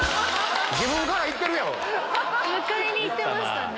迎えに行ってましたね。